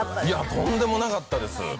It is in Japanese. いや、とんでもなかったです。